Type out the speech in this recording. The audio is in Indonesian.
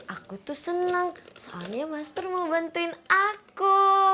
aku tuh seneng soalnya mas pur mau bantuin aku